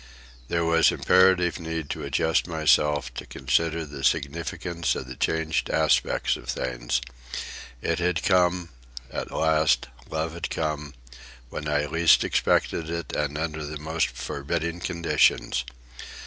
There was imperative need to adjust myself, to consider the significance of the changed aspect of things. It had come, at last, love had come, when I least expected it and under the most forbidding conditions.